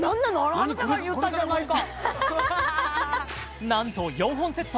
あなたが言ったんじゃないか！